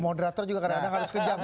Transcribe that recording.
moderator juga kadang kadang harus kejam